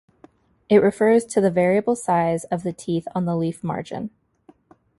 It refers to the variable size of the teeth on the leaf margin.